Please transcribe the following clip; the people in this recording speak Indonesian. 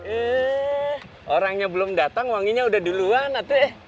eh orangnya belum datang wanginya udah duluan teh